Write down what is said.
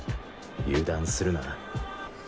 油断するな。